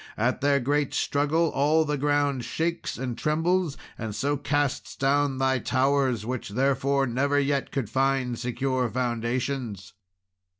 At their great struggle all the ground shakes and trembles, and so casts down thy towers, which, therefore, never yet could find secure foundations."